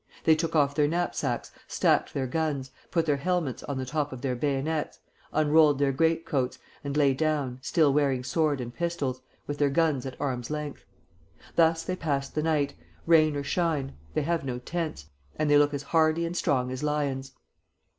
They took off their knapsacks, stacked their guns, put their helmets on the top of their bayonets, unrolled their great coats, and lay down, still wearing sword and pistols, with their guns at arm's length. Thus they pass the night, rain or shine (they have no tents) and they look as hardy and strong as lions.